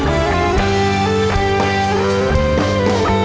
คู่ครีมคนใหม่